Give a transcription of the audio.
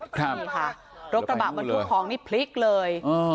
ปกติค่ะรถกระบะรถทุกของเนี้ยพลิกเลยอ่า